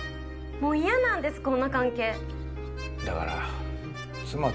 もう嫌なんですこんな関係。